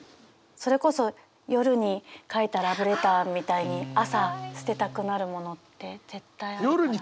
それこそ夜に書いたラブレターみたいに朝捨てたくなるものって絶対あるから。